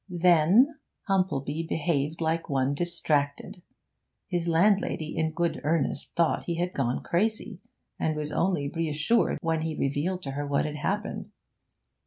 Then Humplebee behaved like one distracted. His landlady in good earnest thought he had gone crazy, and was only reassured when he revealed to her what had happened.